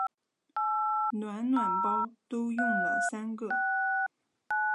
暖暖包都用了三个